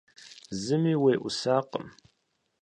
Зыми еӀусакъым.